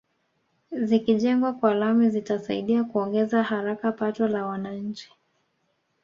Zikijengwa kwa lami zitasaidia kuongeza haraka pato la wananchi